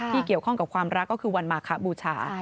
เกี่ยวข้องกับความรักก็คือวันมาคบูชา